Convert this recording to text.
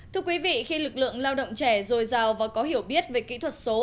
thưa quý vị khi lực lượng lao động trẻ dồi dào và có hiểu biết về kỹ thuật số